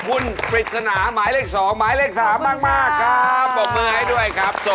อุ๊ย